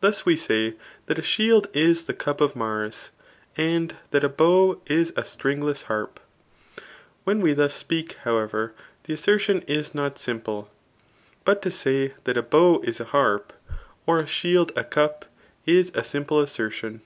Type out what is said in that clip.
Thus we say that a shield is the cup ofMars^ and that a how is a stringtess harp* When we thus speak, however, the assertion is not sim pie. But to say that a bow is a harpy or a shield a ctgf^ is a simple assertion.